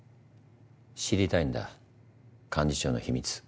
知りたいんだ幹事長の秘密。